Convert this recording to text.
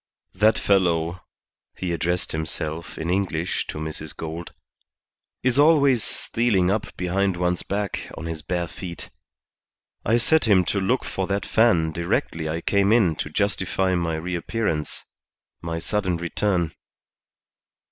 ... That fellow" he addressed himself in English to Mrs. Gould "is always stealing up behind one's back on his bare feet. I set him to look for that fan directly I came in to justify my reappearance, my sudden return."